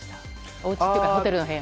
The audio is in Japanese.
おうちというか、ホテルの部屋。